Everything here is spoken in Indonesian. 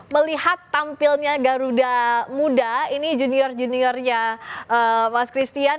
melihat tampilnya garuda muda ini junior juniornya mas christian